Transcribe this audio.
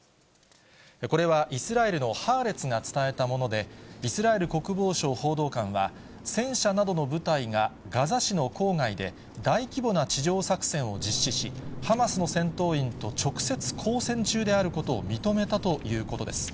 これは、イスラエルのハーレツが伝えたもので、イスラエル国防省報道官は、戦車などの部隊がガザ市の郊外で大規模な地上作戦を実施し、ハマスの戦闘員と直接交戦中であることを認めたということです。